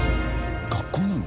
学校なの？